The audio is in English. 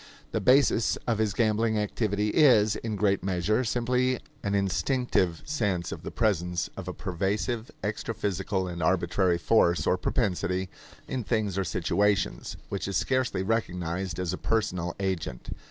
The basis of his gambling activity is, in great measure, simply an instinctive sense of the presence of a pervasive extraphysical and arbitrary force or propensity in things or situations, which is scarcely recognized as a personal agent.